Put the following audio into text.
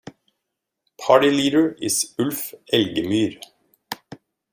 Party leader is Ulf Elgemyr.